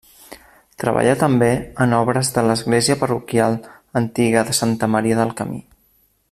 Treballà també en obres de l'església parroquial antiga de Santa Maria del Camí.